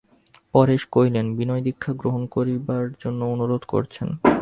পরেশ কহিলেন, বিনয় দীক্ষা গ্রহণ করবার জন্যে অনুরোধ করছেন।